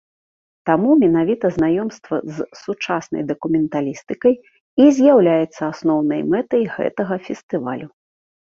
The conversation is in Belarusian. Таму менавіта знаёмства з сучаснай дакументалістыкай і з'яўляецца асноўнай мэтай гэтага фестывалю.